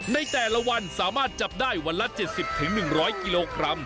ในแต่ละวันสามารถจับได้วันละ๗๐๑๐๐กิโลกรัม